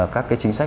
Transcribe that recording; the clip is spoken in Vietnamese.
các cái chính sách